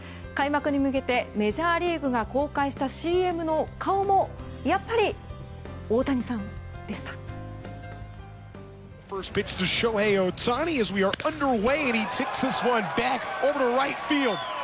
開幕に向けてメジャーリーグが公開したＣＭの顔もやっぱり、大谷さんでした。